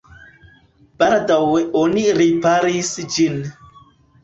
Baldaŭe oni riparis ĝin.